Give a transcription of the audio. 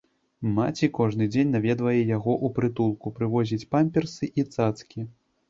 Маці кожны дзень наведвае яго ў прытулку, прывозіць памперсы і цацкі.